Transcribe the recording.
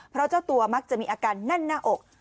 เพราะเจ้าตัวมักจะมีอาการแน่นหน้าอก